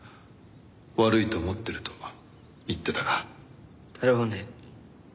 悪いと思ってると言ってたが。だろうね。